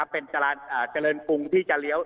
เป็นเจริญกรุงที่จะเลี้ยว